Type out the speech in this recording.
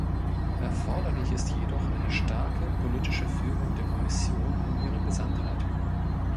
Erforderlich ist jedoch eine starke politische Führung der Kommission in ihrer Gesamtheit.